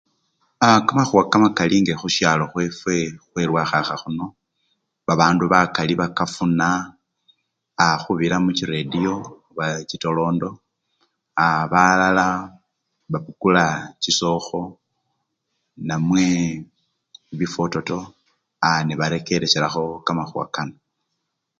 A! kamakhuwa kamakali nga khusyalo khwefwe khwelwakhakha khuno, babandu bakali bakafuna aa! khubirira muchiretiyo, oba chitolondo, a! balala babukula chisokho, namwe bifwototo aa! nebarekeresyelakho kamakhuwa kano.